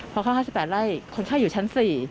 พอเข้า๕๘ไร่คนไข้อยู่ชั้น๔